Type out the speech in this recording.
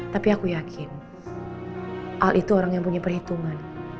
tapi aku yakin al itu orang yang punya perhitungan